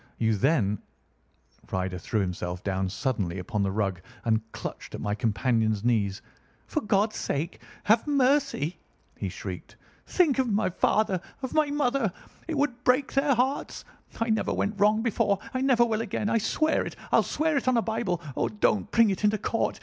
You then—" Ryder threw himself down suddenly upon the rug and clutched at my companion's knees. "For God's sake, have mercy!" he shrieked. "Think of my father! Of my mother! It would break their hearts. I never went wrong before! I never will again. I swear it. I'll swear it on a Bible. Oh, don't bring it into court!